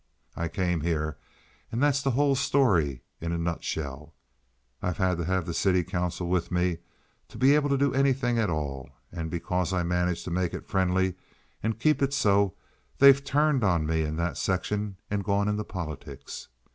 I came here—and that's the whole story in a nutshell. I've had to have the city council with me to be able to do anything at all, and because I managed to make it friendly and keep it so they've turned on me in that section and gone into politics.